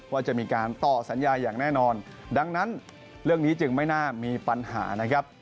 ว่าจะมีการต่อสัญญาอย่างแน่นอนดังนั้นเรื่องนี้จึงไม่น่ามีปัญหานะครับ